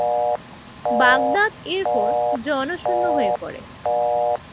Baghdad এরপর জনশূন্য হয়ে পড়ে।